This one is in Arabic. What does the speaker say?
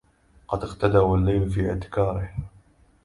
قد أغتدي والليل في اعتكاره